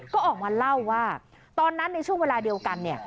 ก็ออกมาเล่าว่าตอนนั้นในช่วงเวลาเดียวกันเนี่ย